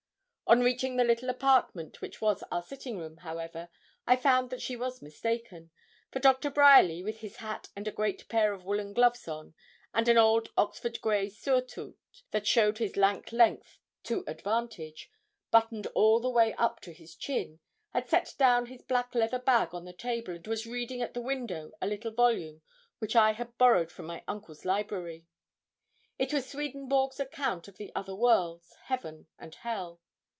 On reaching the little apartment which was our sitting room, however, I found that she was mistaken; for Doctor Bryerly, with his hat and a great pair of woollen gloves on, and an old Oxford grey surtout that showed his lank length to advantage, buttoned all the way up to his chin, had set down his black leather bag on the table, and was reading at the window a little volume which I had borrowed from my uncle's library. It was Swedenborg's account of the other worlds, Heaven and Hell.